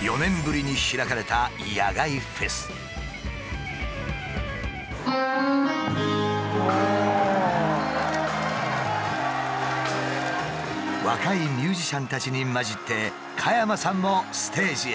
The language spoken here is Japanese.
４年ぶりに開かれた若いミュージシャンたちに交じって加山さんもステージへ。